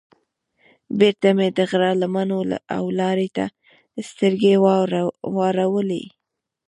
بېرته مې د غره لمنو او لارې ته سترګې واړولې.